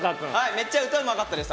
めっちゃ歌うまかったです